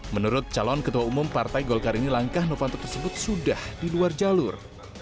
menurut calon ketua umum partai golkar ini langkah novanta tersebut sudah diluar jalur